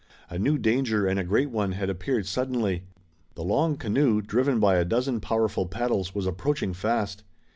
A new danger and a great one had appeared suddenly. The long canoe, driven by a dozen powerful paddles, was approaching fast.